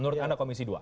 menurut anda komisi dua